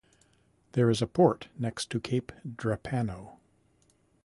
There is a port next to Cape Drepano.